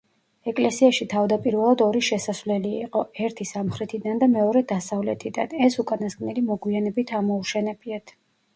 ეკლესიაში თავდაპირველად ორი შესასვლელი იყო, ერთი სამხრეთიდან და მეორე დასავლეთიდან, ეს უკანასკნელი მოგვიანებით ამოუშენებიათ.